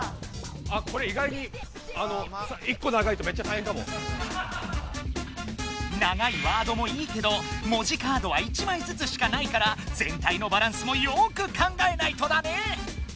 あこれいがいに長いワードもいいけど「もじカード」は１まいずつしかないからぜんたいのバランスもよく考えないとだね！